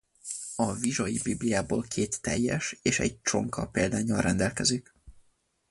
A Vizsolyi Bibliából két teljes és egy csonka példánnyal rendelkezik.